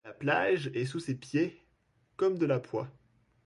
La plage est sous ses pieds comme de la poix.